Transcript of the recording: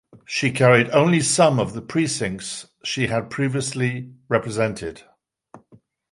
She carried only some of the precincts she had previously represented.